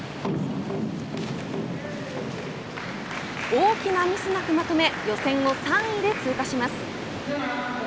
大きなミスなくまとめ予選を３位で通過します。